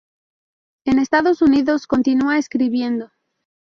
En Estados Unidos continúa escribiendo.